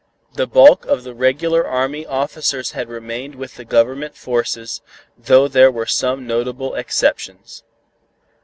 The bulk of the regular army officers had remained with the Government forces, though there were some notable exceptions.